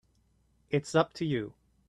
It's up to you.